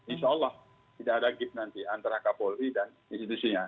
insya allah tidak ada gip nanti antara kapolri dan institusinya